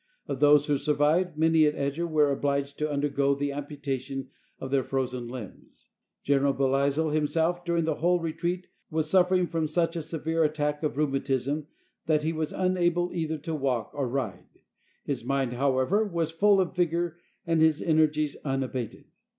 Of those who survived, many, at Eger, were obliged to undergo the amputation of their frozen limbs. General Belleisle himself, during the whole re treat, was suffering from such a severe attack of rheu matism, that he was unable either to walk or ride. His mind, however, was full of vigor and his energies un abated.